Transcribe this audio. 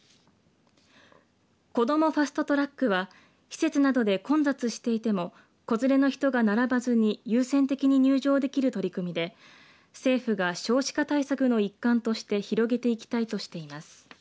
こどもファスト・トラックは施設などで混雑していても子連れの人が並ばずに優先的に入場できる取り組みで政府が少子化対策の一環として広めていきたいとしています。